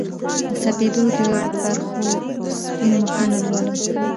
د سپیدو د پرخو سپین مخونه لولم